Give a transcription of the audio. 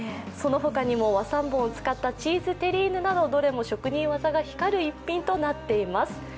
その他にも和三盆を使ったチーズテリーヌなど、どれも職人技が光る逸品となっています。